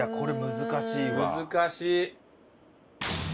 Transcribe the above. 難しい。